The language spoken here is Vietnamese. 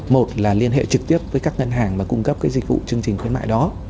một là liên hệ trực tiếp với các ngân hàng mà cung cấp cái dịch vụ chương trình khuyến mại đó